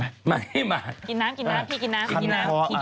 กินน้ำพี่กินน้ำ